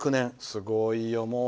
すごいよ、もう。